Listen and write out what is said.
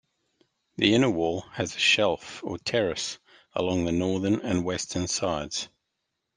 The inner wall has a shelf or terrace along the northern and western sides.